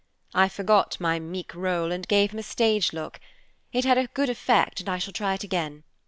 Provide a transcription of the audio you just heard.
I forgot my meek role and gave him a stage look. It had a good effect, and I shall try it again.